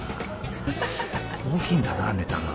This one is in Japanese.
大きいんだなネタが。